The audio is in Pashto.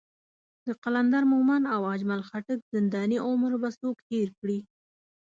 د قلندر مومند او اجمل خټک زنداني عمر به څوک هېر کړي.